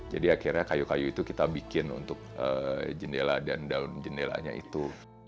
jadi akhirnya kayu kayu itu kita bikin untuk jendela dan dalam jendelanya itu